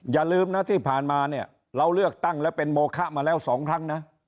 อย่าลืมนะที่ผ่านมาเนี่ยเราเลือกตั้งแล้วเป็นโมคะมาแล้ว๒ครั้งนะ